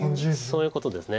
そういうことです。